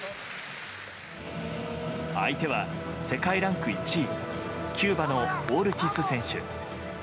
相手は世界ランク１位キューバのオルティス選手。